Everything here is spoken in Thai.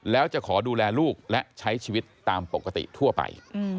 แล้วจะขอดูแลลูกและใช้ชีวิตตามปกติทั่วไป